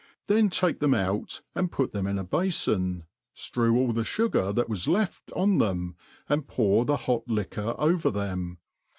3,7 then take theiti but and put them in a ba(oo, ftrew all the fu* gar that was left on them, and pour the tK>t liquor over them.